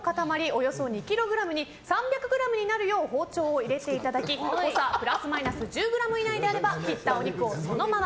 およそ２ｋｇに３００ｇになるよう包丁を入れていただき誤差プラスマイナス１０ｇ以内であれば切ったお肉をそのまま。